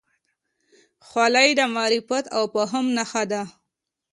خولۍ د معرفت او فهم نښه ده.